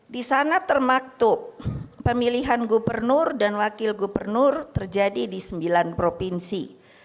di sana termaktub pemilihan gubernur dan wakil gubernur terjadi di sembilan provinsi